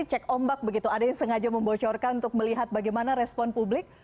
cek ombak begitu ada yang sengaja membocorkan untuk melihat bagaimana respon publik